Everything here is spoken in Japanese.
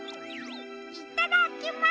いただきます！